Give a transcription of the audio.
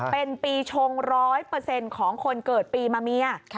เป็นปีชง๑๐๐ของคนเกิดปีมะเมีย